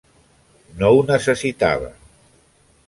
No ho necessitava.